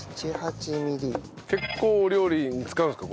結構お料理に使うんですか？